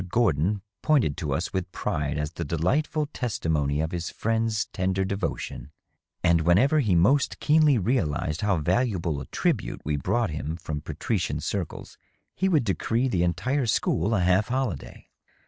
Gordon pointed to us with pride as the delightful testimony of his friends' tender devotion, and whenever he most keenly realized how valuable a tribute we brought him from patrician circles he would decree the entire school a half holiday.